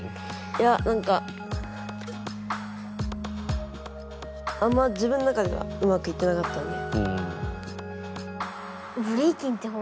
いやなんかあんま自分の中ではうまくいってなかったので。